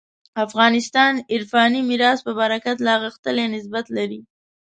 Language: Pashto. افغانستان عرفاني میراث په برکت لا غښتلی نسبت لري.